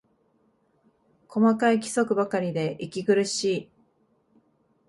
細かい規則ばかりで息苦しい